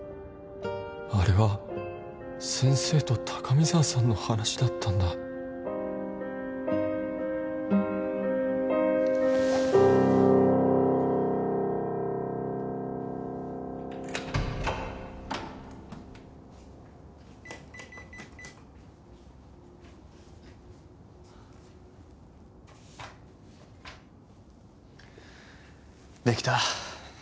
あれは先生と高見沢さんの話だったんだできた。